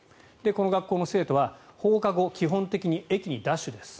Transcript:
この学校の生徒は放課後基本的に駅にダッシュです。